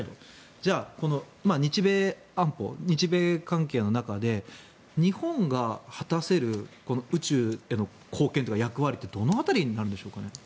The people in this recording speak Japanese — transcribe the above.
じゃあ、日米安保日米関係の中で日本が果たせる宇宙への貢献というか役割ってどの辺りになるんでしょうかね。